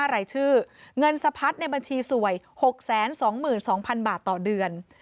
รายชื่อเงินสะพัดในบัญชีสวย๖๒๒๐๐๐บาทต่อเดือน